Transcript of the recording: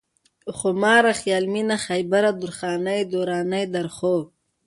خوماره ، خيال مينه ، خيبره ، درخانۍ ، درانۍ ، درخو